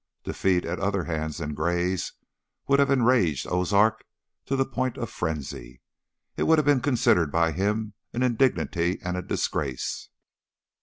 Defeat, at other hands than Gray's, would have enraged Ozark to the point of frenzy, it would have been considered by him an indignity and a disgrace.